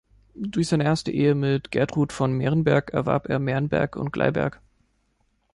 Durch seine erste Ehe mit Gertrud von Merenberg erwarb er Merenberg und Gleiberg.